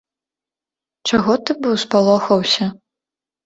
Чаго ты быў спалохаўся?